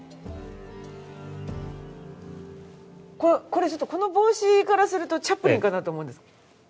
これちょっとこの帽子からするとチャップリンかなと思うんです。